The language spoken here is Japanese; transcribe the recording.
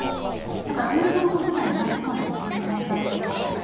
だからアメリカの国内ますます貧困大国化する。